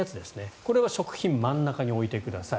これは食品は真ん中に置いてください。